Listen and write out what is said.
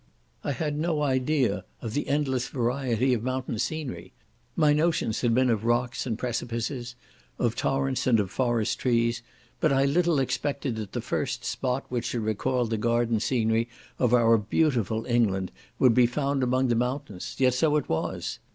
I had no idea of the endless variety of mountain scenery. My notions had been of rocks and precipices, of torrents and of forest trees, but I little expected that the first spot which should recall the garden scenery of our beautiful England would be found among the moutains: yet so it was.